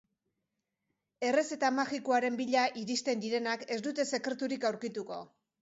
Errezeta magikoaren bila iristen direnak ez dute sekreturik aurkituko.